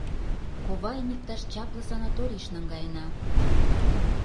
Ковайым иктаж чапле санаторийыш наҥгаена!